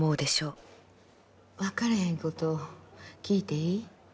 分かれへんこと聞いていい？